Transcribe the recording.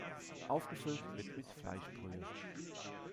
Aufgefüllt wird mit Fleischbrühe.